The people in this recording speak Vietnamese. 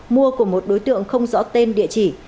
mua của một đối tượng không rõ tên địa chỉ